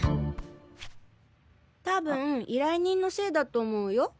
多分依頼人のせいだと思うよ。